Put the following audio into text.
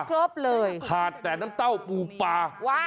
ครบเลยขาดแต่น้ำเต้าปูปลา